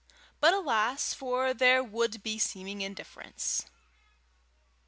But alas for their would be seeming indifference!